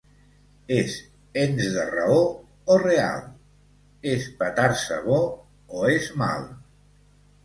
És ens de raó, o real? És petar-se bo, o és mal?